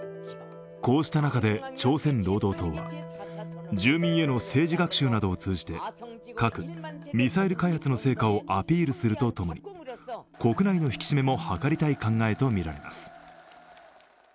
こうした中で朝鮮労働党は、住民への政治学習などを通じて核・ミサイル開発の成果をアピールするとともに国内の引き締めも図りたい考えとみられます。